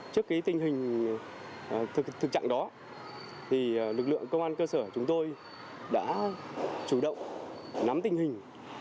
trước tình hình thực trạng đó lực lượng công an cơ sở chúng tôi đã chủ động nắm tình hình